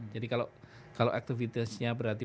jadi kalau aktivitasnya berarti